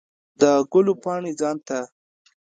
د ګلو پاڼې ځان ته